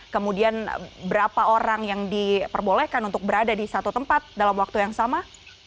kemudian berapa orang yang diperbolehkan untuk berada di satu tempat dalam waktu yang sama